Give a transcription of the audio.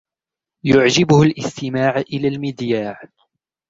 يعجبه الاستماع إلى المذياع.